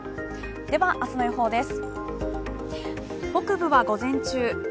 では、明日の予報です。